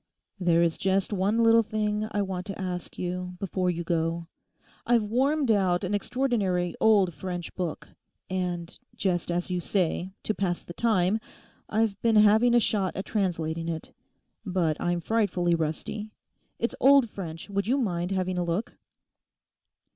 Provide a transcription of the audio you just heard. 'There is just one little thing I want to ask you before you go. I've wormed out an extraordinary old French book; and—just as you say—to pass the time, I've been having a shot at translating it. But I'm frightfully rusty; it's old French; would you mind having a look?